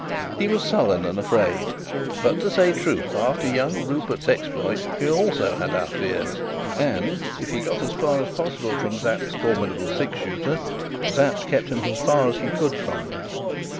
He was sullen, and afraid; but, to say truth, after young Rupert's exploit, we also had our fears, and, if he got as far as possible from Sapt's formidable six shooter, Sapt kept him as far as he could from me.